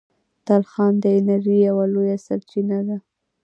تلخان د انرژۍ یوه لویه سرچینه ده.